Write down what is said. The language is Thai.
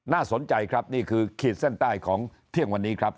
สนใจครับนี่คือขีดเส้นใต้ของเที่ยงวันนี้ครับ